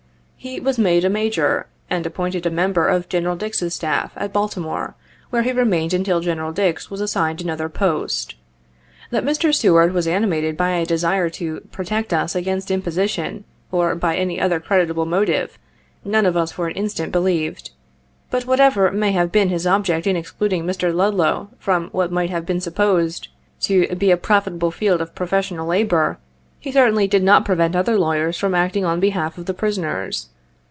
He was made a Major, and appointed a member of General Dix's staff, at Baltimore, where he remained until General Dix was assigned another Post. That Mr. Seward was animated by a desire to protect us against imposition, or by any other creditable motive, none of us for an instant believed. But whatever may have been his object in ex cluding Mr. Ludlow from what might have been supposed 62 to be a profitable field of professional labor, he certainly did not prevent other lawyers from acting on behalf of the prisoners.